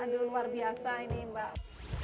aduh luar biasa ini mbak